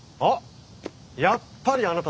やっぱりあなただ。